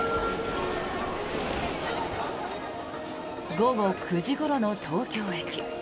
午後９時ごろの東京駅。